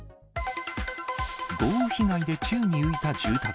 豪雨被害で宙に浮いた住宅。